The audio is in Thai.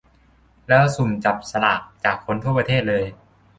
แล้วสุ่มจับสลากจากคนทั่วประเทศเลย